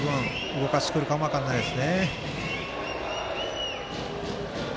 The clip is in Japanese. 動かしてくるかも分からないです。